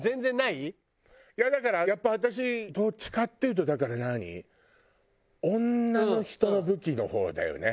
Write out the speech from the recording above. いやだからやっぱ私どっちかっていうとだから何女の人の武器の方だよね。